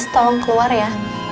tolong keluar ya